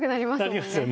なりますよね。